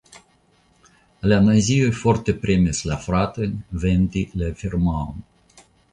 La nazioj forte premis la fratojn vendi la firmaon.